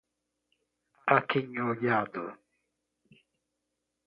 aquinhoado